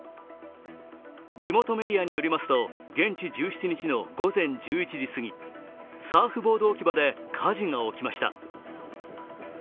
地元メディアによりますと、現地１７日の午前１１時すぎ、サーフボード置き場で火事が起きました。